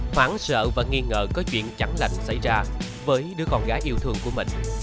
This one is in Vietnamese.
hoảng sợ và nghi ngờ có chuyện chẳng lành xảy ra với đứa con gái yêu thương của mình